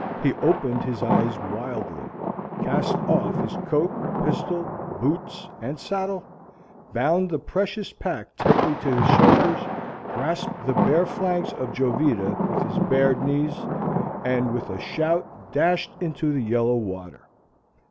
He opened his eyes wildly, cast off his coat, pistol, boots, and saddle, bound his precious pack tightly to his shoulders, grasped the bare flanks of Jovita with his bared knees, and with a shout dashed into the yellow water.